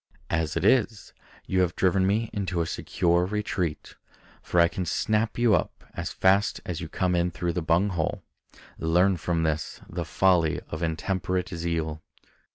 As it is, you have driven me into a secure retreat; for I can snap you up as fast as you come in through the bung hole. Learn from this the folly of intemperate zeal."